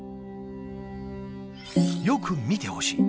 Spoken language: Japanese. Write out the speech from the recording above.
よく見てほしい。